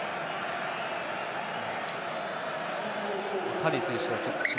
カリー選手は出血？